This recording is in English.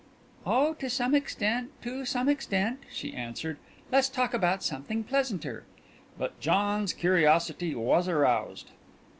"Oh, to some extent, to some extent," she answered. "Let's talk about something pleasanter." But John's curiosity was aroused.